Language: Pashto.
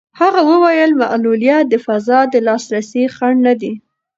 هغې وویل معلولیت د فضا د لاسرسي خنډ نه دی.